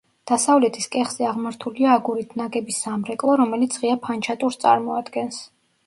დასავლეთის კეხზე აღმართულია აგურით ნაგები სამრეკლო, რომელიც ღია ფანჩატურს წარმოადგენს.